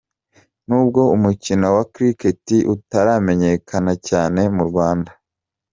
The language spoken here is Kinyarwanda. N’ubwo umukino wa Cricket utaramenyekana cyane mu Rwanda.